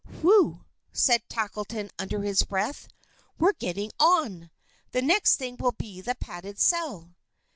"Whew!" said Tackleton under his breath, "we're getting on! The next thing will be the padded cell."